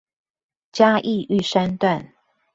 嘉義玉山段